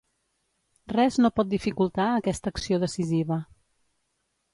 Res no pot dificultar aquesta acció decisiva.